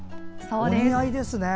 お似合いですね。